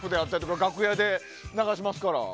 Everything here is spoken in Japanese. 楽屋で流しますから。